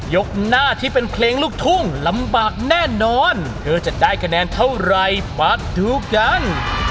ยกหน้าที่เป็นเพลงลูกทุ่งลำบากแน่นอนเธอจะได้คะแนนเท่าไรมาดูกัน